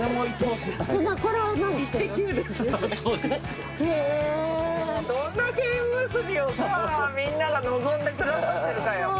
どんだけ縁結びをさぁみんなが望んでくださってるかよ。